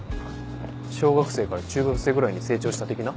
小学生から中学生ぐらいに成長した的な？